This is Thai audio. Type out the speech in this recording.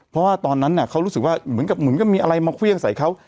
เพราะว่าตอนนั้นเขารู้สึกว่าเหมือนกับเหมือนก็มีอะไรมาเครื่องใส่เขา